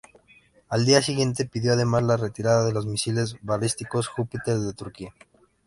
Al día siguiente, pidió además la retirada de los misiles balísticos Júpiter de Turquía.